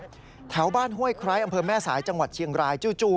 แถวบ้านห้วยไคร้อำเภอแม่สายจังหวัดเชียงรายจู่